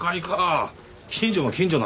近所も近所だね。